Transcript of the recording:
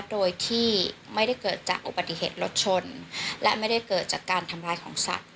โดยที่ไม่ได้เกิดจากอุบัติเหตุรถชนและไม่ได้เกิดจากการทำร้ายของสัตว